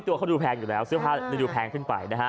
ตัวเขาดูแพงอยู่แล้วเสื้อผ้าดูแพงขึ้นไปนะฮะ